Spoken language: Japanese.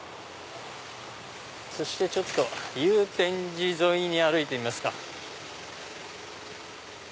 そしてちょっと祐天寺沿いに歩いてみますか。